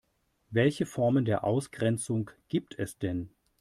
Welche Formen der Ausgrenzung gibt es denn?